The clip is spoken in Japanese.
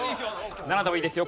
７でもいいですよ。